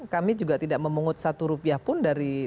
kami juga tidak memungut satu rupiah pun dari